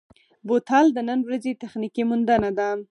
بوتل د نن ورځې تخنیکي موندنه ده.